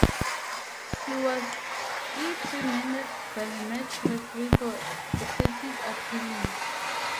He was reprimanded by the match referee for excessive appealing.